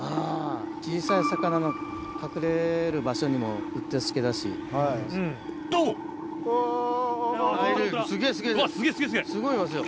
小さい魚の隠れる場所にもうってつけだし。と！すげぇすごいいますよ。